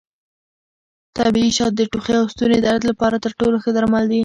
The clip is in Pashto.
طبیعي شات د ټوخي او ستوني درد لپاره تر ټولو ښه درمل دي.